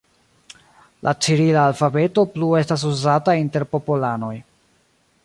La cirila alfabeto plu estas uzata inter popolanoj.